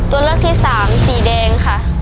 ตัวเลือกที่สามสีแดงค่ะ